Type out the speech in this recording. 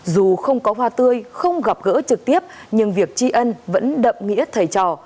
dù không có hoa tươi không gặp gỡ trực tiếp nhưng việc tri ân vẫn đậm nghĩa thầy trò